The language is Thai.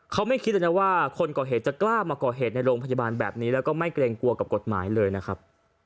เขาไม่คิดเลยนะว่าคนก่อเหตุจะกล้ามาก่อเหตุในโรงพยาบาลแบบนี้แล้วก็ไม่เกรงกลัวกับกฎหมายเลยนะครับ